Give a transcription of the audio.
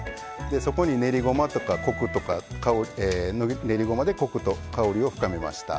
そこに練りごまでコクと香りを深めました。